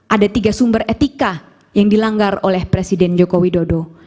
ada tiga sumber etika yang dilanggar oleh presiden joko widodo